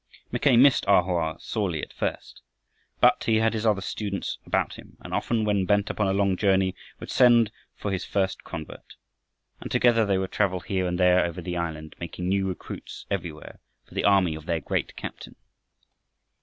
Mackay missed A Hoa sorely at first, but he had his other students about him, and often when bent upon a long journey would send for his first convert, and together they would travel here and there over the island, making new recruits everywhere for the army of their great Captain.